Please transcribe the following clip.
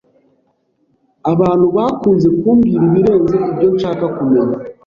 Abantu bakunze kumbwira ibirenze ibyo nshaka kumenya.